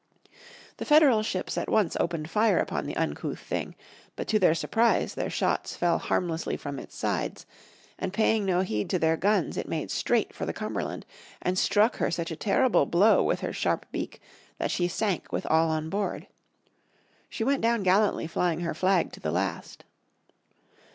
The Federal ships at once opened fire upon the uncouth thing. But to their surprise their shots fell harmlessly from its sides, and paying no heed to their guns it made straight for the Cumberland, and struck her such a terrible blow with her sharp beak that she sank with all on board. She went down gallantly flying her flag to the last.